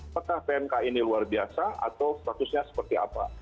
apakah pmk ini luar biasa atau statusnya seperti apa